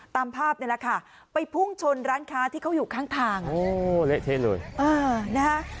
ตามภาพนี่แหละค่ะไปพุ่งชนร้านค้าที่เขาอยู่ข้างทางโอ้เละเทะเลยเออนะฮะ